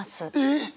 えっ！